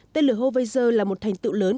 tên lửa hovezer là một thành tựu lớn